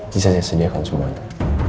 bisa saya sediakan semuanya